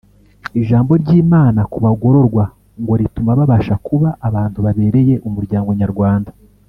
Ijambo ry’Imana ku bagororwa ngo rituma babasha kuba abantu babereye Umuryango Nyarwanda